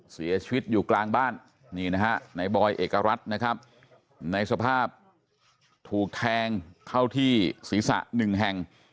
เสียชีวิตอยู่กลางบ้านนี่นะฮะในบอยเอกรัฐนะครับในสภาพถูกแทงเข้าที่ศีรษะ๑แห่ง